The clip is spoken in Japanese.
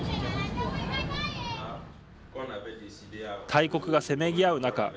大国がせめぎ合う中